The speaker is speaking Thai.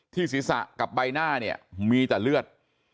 ศีรษะกับใบหน้าเนี่ยมีแต่เลือด